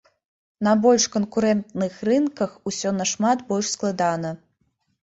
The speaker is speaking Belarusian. На больш канкурэнтных рынках усё нашмат больш складана.